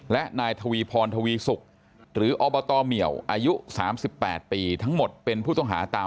และนายทวีพรทวีศุกร์หรืออบตเหมียวอายุ๓๘ปีทั้งหมดเป็นผู้ต้องหาตาม